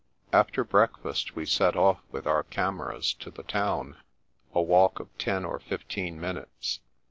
After breakfast we set off with our cameras to the town, a walk of ten or fifteen minutes.